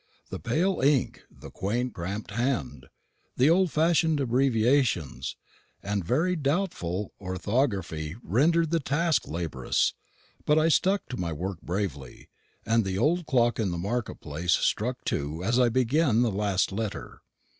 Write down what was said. The pale ink, the quaint cramped hand, the old fashioned abbreviations, and very doubtful orthography rendered the task laborious; but I stuck to my work bravely, and the old clock in the market place struck two as I began the last letter.